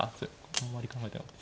あんまり考えてなかった。